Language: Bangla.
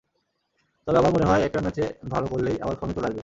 তবে আমার মনে হয়, একটা ম্যাচে ভালো করলেই আবার ফর্মে চলে আসবে।